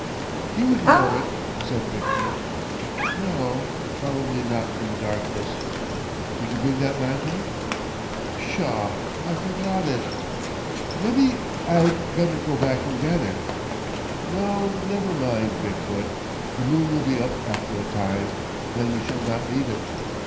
"He wouldn't know it," said Big foot. "No, probably not in the darkness. Did you bring that lantern?" "Pshaw! I forgot it. Mebby I'd better go back and get it." "No; never mind, Big foot. The moon will be up after a time. Then we shall not need it.